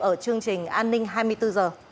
ở chương trình an ninh hai mươi bốn h